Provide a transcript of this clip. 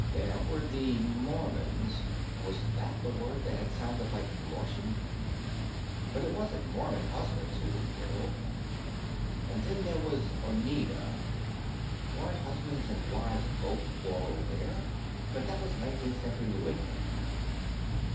There were the Mormons (was that the word that had sounded like Martian?) but it wasn't the Mormon husbands who were plural. And then there was Oneida (weren't husbands and wives both plural there?) but that was 19th century New England.